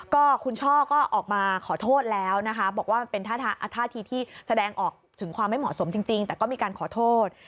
ก็คุณช่อก็ออกมาขอโทษแล้วนะคะบอกว่ามันเป็นท่าทีที่แสดงออกถึงความไม่เหมาะสมจริงแต่ก็มีการขอโทษ